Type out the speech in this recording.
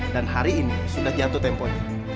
dan hari ini sudah jatuh tempohnya